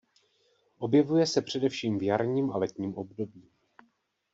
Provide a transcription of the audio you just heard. Objevuje se především v jarním a letním období.